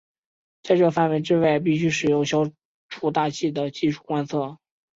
在这范围之外必须使用消除大气的技术观测。